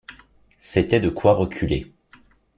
C’était de quoi reculer.